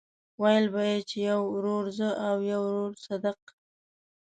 ويل به يې چې يو ورور زه او يو ورور صدک.